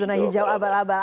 zona hijau abal abal